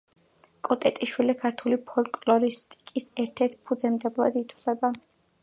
კოტეტიშვილი ქართული ფოლკლორისტიკის ერთ-ერთ ფუძემდებლად ითვლება.